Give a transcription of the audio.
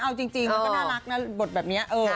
เอาจริงมันก็น่ารักนะบทแบบนี้